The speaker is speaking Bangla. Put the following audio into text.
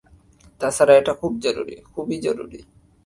তাছাড়া এটা খুব জরুরি, খুবই জরুরি।